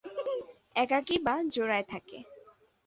একাকী বা জোড়ায় থাকে।